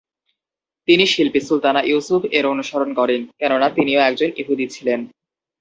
তিনি শিল্পী সুলতানা ইউসুফ এর অনুসরণ করেন, কেননা তিনিও একজন ইহুদি ছিলেন।